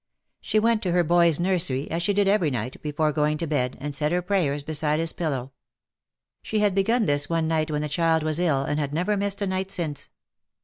She went to her boy's nursery, as she did every night, before going to bed, and said her prayers beside his pillow. She had begun this one night when the child was ill, and had never missed a night since.